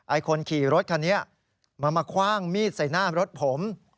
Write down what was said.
ไอ้คนขี่รถคันเนี่ยมามาคว้างมีดใส่หน้ารถผม